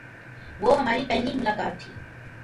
وہ ہماری پہلی ملاقات تھی۔